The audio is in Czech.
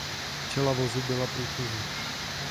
Čela vozu byla průchozí.